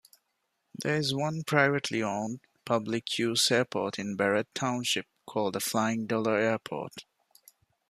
There is one privately-owned, public-use airport in Barrett Township called the Flying Dollar Airport.